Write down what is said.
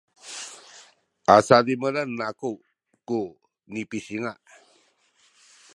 a sadimelen aku ku nipisinga’